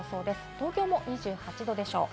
東京も２８度でしょう。